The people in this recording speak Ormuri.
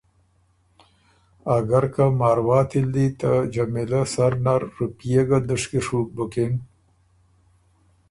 اګر که مارواتي ل دی ته جمیلۀ سر نر رُوپئے ګه ته دُشکی ڒُوک بُکِن